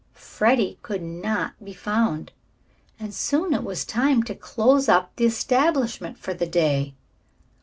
Freddie could not be found, and soon it was time to close up the establishment for the day.